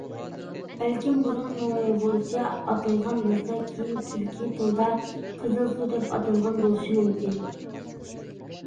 بەلكىم بۇرۇن موڭغۇلچە ئاتالغان بولسا كېيىن تۈركى تىلىدا قىزىل سۇ دەپ ئاتالغان بۆلۈشى مۇمكىن.